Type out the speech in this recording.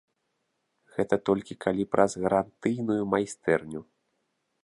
Гэта толькі калі праз гарантыйную майстэрню.